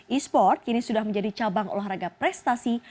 e sport kini sudah menjadi cabang olahraga prestasi